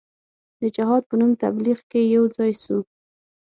د جهاد په نوم تبلیغ کې یو ځای سو.